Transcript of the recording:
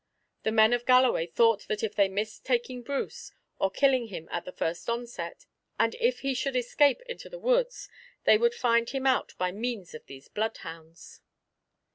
The men of Galloway thought that if they missed taking Bruce, or killing him at the first onset, and if he should escape into the woods, they would find him out by means of these bloodhounds.